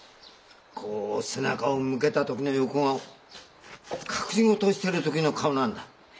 こう背中を向けた時の横顔隠し事をしてる時の顔なんだ。